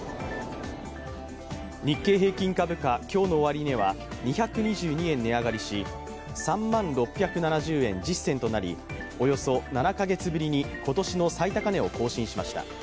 日経平均株価、今日の終値は２２２円値上がりし、３万６７０円１０銭となりおよそ７カ月ぶりに今年の最高値を更新しました。